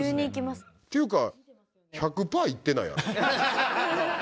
っていうか